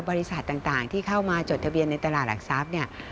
บริษัทต่างที่เข้ามาจดทะเบียนในตลาดหลักทรัพย์เนี่ย